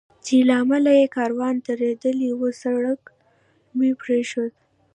چې له امله یې کاروان درېدلی و، سړک مې پرېښود.